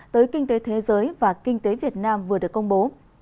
tới kinh tế thế giới và kinh tế việt nam vừa được công bố